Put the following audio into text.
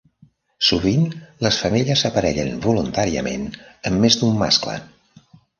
Sovint les femelles s'aparellen voluntàriament amb més d'un mascle.